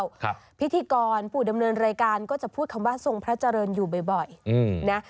ครับพิธีกรผู้ดำเนินรายการก็จะพูดคำว่าทรงพระเจริญอยู่บ่อยบ่อยอืมนะ